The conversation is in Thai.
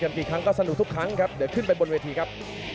กระโดยสิ้งเล็กนี่ออกกันขาสันเหมือนกันครับ